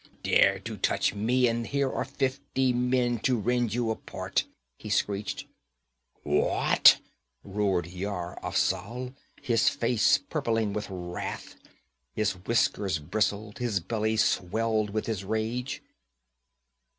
'Dare to touch me and here are fifty men to rend you apart!' he screeched. 'What!' roared Yar Afzal, his face purpling with wrath. His whiskers bristled, his belly swelled with his rage.